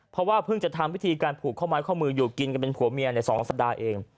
เพราะว่าเพิ่งจะทำวิธีการผูกข้อไม้ข้อมืออยู่กินกันเป็นผัวเมียใน๒สัปดาห์เอง